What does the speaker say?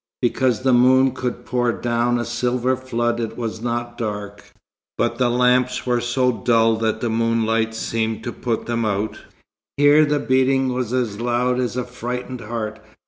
Because the moon could pour down a silver flood it was not dark, but the lamps were so dull that the moonlight seemed to put them out. Here the beating was as loud as a frightened heart.